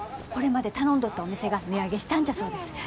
これまで頼んどったお店が値上げしたんじゃそうです。